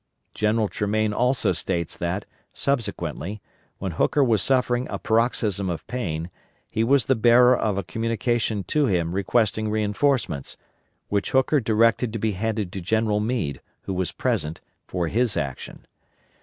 General Tremaine also states that, subsequently, when Hooker was suffering a paroxysm of pain, he was the bearer of a communication to him requesting reinforcements, which Hooker directed to be handed to General Meade, who was present, for his action.